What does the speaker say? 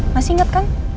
masih inget kan